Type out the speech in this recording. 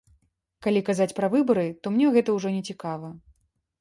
Калі казаць пра выбары, то мне гэта ўжо не цікава.